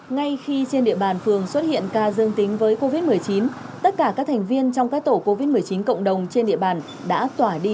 ngay khi trên địa bàn phường xuất hiện ca dương tính với covid một mươi chín tất cả các thành viên trong các tổ covid một mươi chín cộng đồng trên địa bàn đã tỏa đi